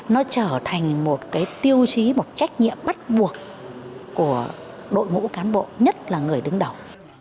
nó trở thành một cái tiêu chí một trách nhiệm bắt buộc của đội ngũ cán bộ nhất là người đứng đầu